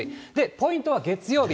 ポイントは月曜日。